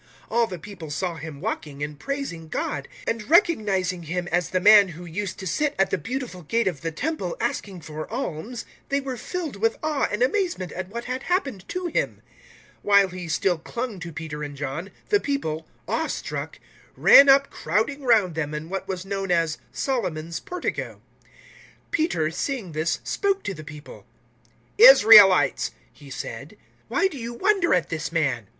003:009 All the people saw him walking and praising God; 003:010 and recognizing him as the man who used to sit at the Beautiful Gate of the Temple asking for alms, they were filled with awe and amazement at what had happened to him. 003:011 While he still clung to Peter and John, the people, awe struck, ran up crowding round them in what was known as Solomon's Portico. 003:012 Peter, seeing this, spoke to the people. "Israelites," he said, "why do you wonder at this man?